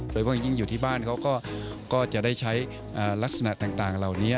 โดยเพราะยิ่งอยู่ที่บ้านเขาก็จะได้ใช้ลักษณะต่างเหล่านี้